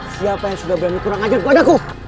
siapa yang sudah berani kurang hadir padaku